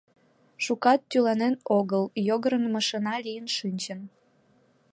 Шукат тӱланен огыл, Йогорын машина лийын шинчын.